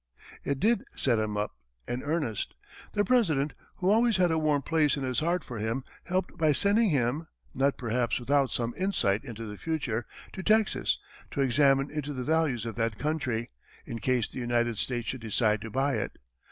It did "set him up" in earnest. The President, who always had a warm place in his heart for him, helped by sending him not, perhaps, without some insight into the future to Texas, to examine into the value of that country, in case the United States should decide to buy it.